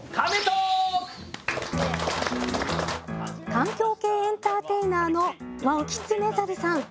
環境系エンターテイナーのＷｏＷキツネザルさん。